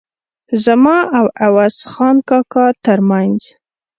زما او عوض خان کاکا ترمنځ.